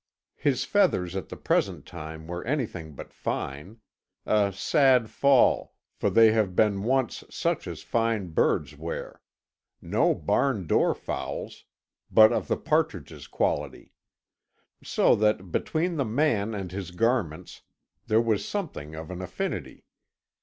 His feathers at the present time were anything but fine a sad fall, for they have been once such as fine birds wear; no barn door fowl's, but of the partridge's quality. So that, between the man and his garments, there was something of an affinity.